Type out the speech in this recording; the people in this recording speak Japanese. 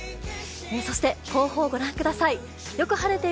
そして後方を御覧ください。